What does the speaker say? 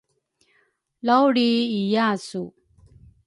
laulriiyasu.